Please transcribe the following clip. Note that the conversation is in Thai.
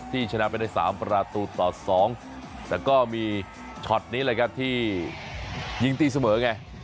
ที่ชนะไปใน๓ประตูต่อ๒แต่ก็มีช็อตนี้ที่ยิงตีเสมอไง